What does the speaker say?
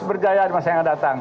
dan berjaya di masa yang akan datang